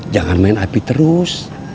jangan main api terus